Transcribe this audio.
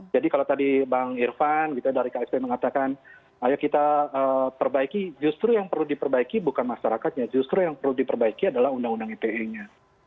jadi kalau tadi bang irvan kita dari ksp mengatakan ayo kita perbaiki justru yang perlu diperbaiki bukan masyarakatnya justru yang perlu diperbaiki adalah undang undang ite nya